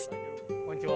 こんにちは。